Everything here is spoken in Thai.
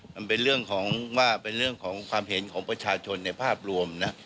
มันเป็นเรื่องของความเห็นของประชาชนในภาพรวม